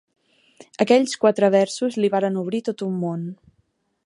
Aquells quatre versos li varen obrir tot un món